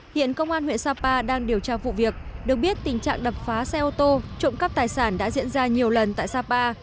hiện công an huyện sapa đang điều tra vụ việc được biết tình trạng đập phá xe ô tô trộm cắp tài sản đã diễn ra nhiều lần tại sapa